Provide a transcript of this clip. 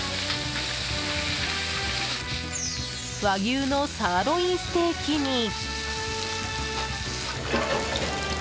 和牛のサーロインステーキに。